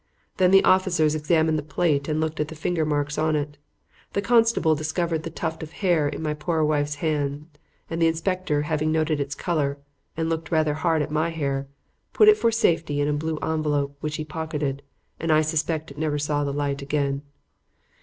Then the officers examined the plate and looked at the finger marks on it. The constable discovered the tuft of hair in my poor wife's hand, and the inspector having noted its color and looked rather hard at my hair, put it for safety in a blue envelope, which he pocketed; and I suspect it never saw the light again.